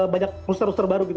banyak poster poster baru gitu